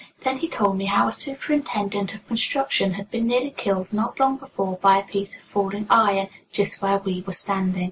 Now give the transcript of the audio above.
Then he told how a superintendent of construction had been nearly killed not long before by a piece of falling iron, just where we were standing.